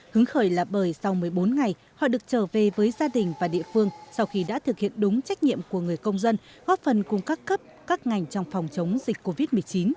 hứng khởi là bởi sau một mươi bốn ngày họ được trở về với gia đình và địa phương sau khi đã thực hiện đúng trách nhiệm của người công dân góp phần cùng các cấp các ngành trong phòng chống dịch covid một mươi chín